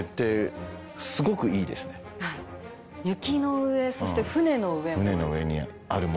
雪の上そして船の上も。